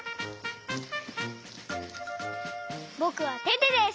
ぼくはテテです！